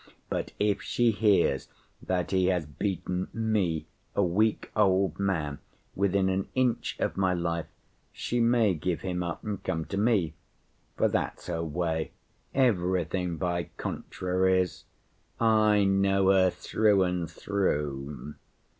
But if she hears that he has beaten me, a weak old man, within an inch of my life, she may give him up and come to me.... For that's her way, everything by contraries. I know her through and through!